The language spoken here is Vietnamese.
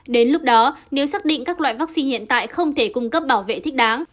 đến lúc đó nếu xác định các loại vaccine hiện tại không thể cung cấp bảo vệ thích đáng